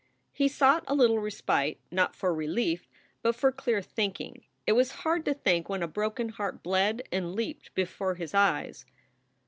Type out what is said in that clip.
He sought a little respite, not for relief, but for clear thinking. It was hard to think when a broken heart bled and leaped before his eyes.